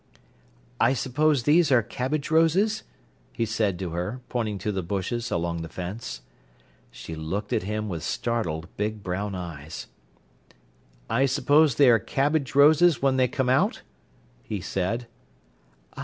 "I suppose these are cabbage roses?" he said to her, pointing to the bushes along the fence. She looked at him with startled, big brown eyes. "I suppose they are cabbage roses when they come out?" he said.